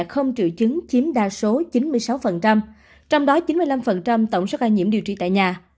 không triệu chứng chiếm đa số chín mươi sáu trong đó chín mươi năm tổng số ca nhiễm điều trị tại nhà